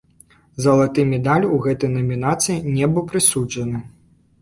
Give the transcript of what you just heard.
Залаты медаль у гэтай намінацыі не быў прысуджаны.